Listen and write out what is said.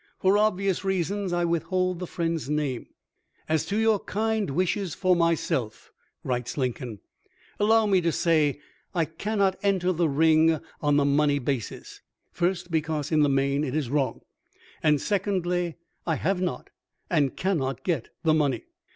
For obvious reasons I withhold the friend's name :" As to your kind wishes for myself," writes Lincoln, " allow me to say I cannot enter the ring on the money basis — first, because in the main it is wrong; and secondly, I have not and cannot get the money.